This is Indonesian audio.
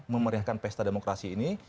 memerihakan pesta demokrasi ini